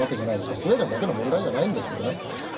スウェーデンだけの問題じゃないんですね。